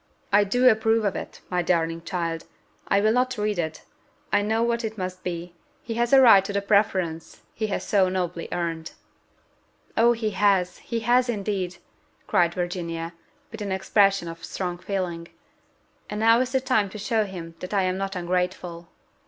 "I do approve of it, my darling child: I will not read it I know what it must be: he has a right to the preference he has so nobly earned." "Oh, he has he has, indeed!" cried Virginia, with an expression of strong feeling; "and now is the time to show him that I am not ungrateful."